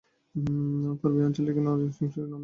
পূর্বে এই অঞ্চলটি নরসিংহ নামক রাজার শাসনাধীন ছিল।